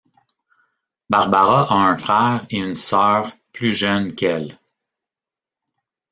Barbara a un frère et une sœur plus jeunes qu'elle.